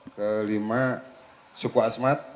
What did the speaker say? kelima suku asmat